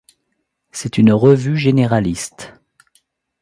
C’est une revue généraliste.